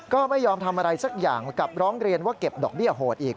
ก็ไม่ยอมทำอะไรสักอย่างกับร้องเรียนว่าเก็บดอกเบี้ยโหดอีก